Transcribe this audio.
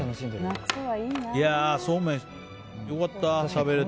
そうめん、良かった、食べれて。